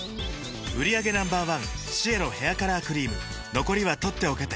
売上№１シエロヘアカラークリーム残りは取っておけて